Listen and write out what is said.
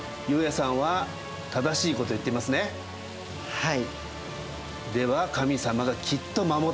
はい。